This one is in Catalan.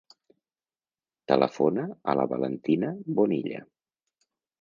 Telefona a la Valentina Bonilla.